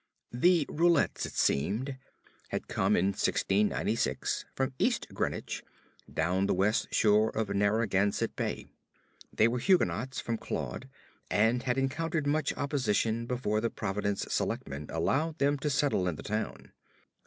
The Roulets, it seemed, had come in 1696 from East Greenwich, down the west shore of Narragansett Bay. They were Huguenots from Caude, and had encountered much opposition before the Providence selectmen allowed them to settle in the town.